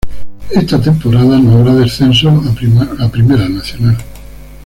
Esta temporada no habrá descensos a Primera Nacional.